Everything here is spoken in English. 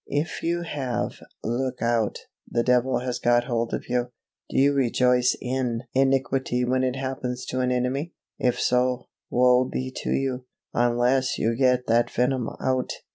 If you have, look out the devil has got hold of you. Do you rejoice in iniquity when it happens to an enemy? If so, woe be to you, unless you get that venom out.